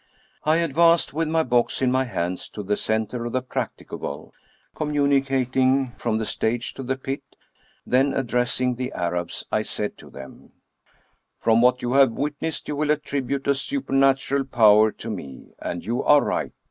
I advanced, with my box in my hand, to the center of the " practicable," communicating from the stage to the pit ; then, addressing the Arabs, I said to them :" From what you have witnessed, you will attribute a supernatural power to me, and you are right.